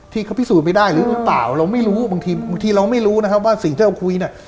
ที่เขาพิสูจน์ไม่ได้หรือหรือเปล่าเราไม่รู้บางทีบางทีเราไม่รู้นะครับว่าสิ่งที่เราคุยเนี่ย